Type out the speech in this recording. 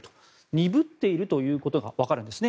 鈍っているということがわかるんですね。